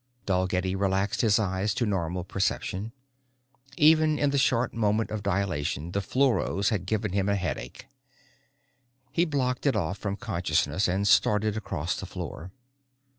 Dalgetty relaxed his eyes to normal perception. Even in the short moment of dilation the fluoros had given him a headache. He blocked it off from consciousness and started across the floor.